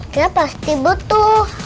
kita pasti butuh